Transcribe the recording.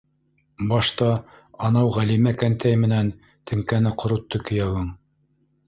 Башта анау Ғәлимә кәнтәй менән теңкәне ҡоротто кейәүең.